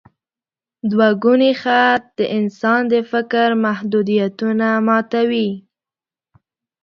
دوګوني خط د انسان د فکر محدودیتونه ماتوي.